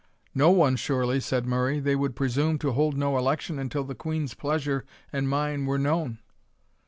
"No one surely," said Murray; "they would presume to hold no election until the Queen's pleasure and mine were known?"